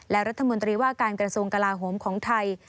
และรัฐมนตรีว่าการกระทรวงกลาโหมของไทย